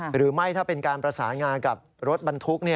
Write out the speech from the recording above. หรือไม่ถ้าเป็นการประสานงากับรถบรรทุก